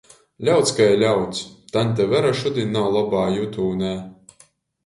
Ļauds kai ļauds! taņte Vera šudiņ nav lobā jutūnē.